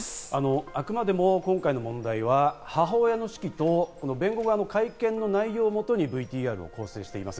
あくまでも今回の問題は母親の手記と弁護側の会見の内容を元にＶＴＲを構成しています。